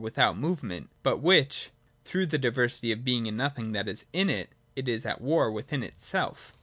167 without movement, but which, through the diversity of Being and Nothing that is in it, is at war within itself.